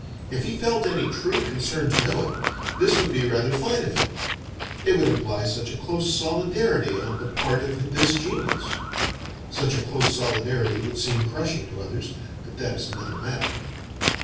If he felt any true concern to know it, this would be rather fine of him: it would imply such a close solidarity on the part of this genus. (Such a close solidarity would seem crushing, to others; but that is another matter.)